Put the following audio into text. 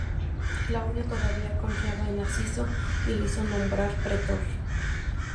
Claudio todavía confiaba en Narciso, y le hizo nombrar pretor.